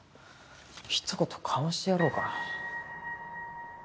ひと言かましてやろうかな。